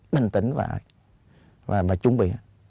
bình tĩnh và chuẩn bị